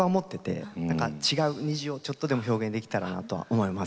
だから違う「虹」をちょっとでも表現できたらなとは思います。